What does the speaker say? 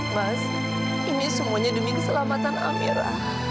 mas ini semuanya demi keselamatan amira